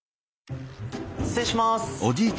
失礼します。